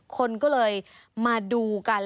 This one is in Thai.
คนก็เลยมาดูกัน